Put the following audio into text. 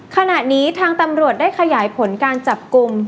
ขณะนี้ทางตำรวจได้ขยายผลการจับกลุ่ม